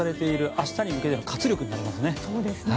明日に向けての活力となりますね。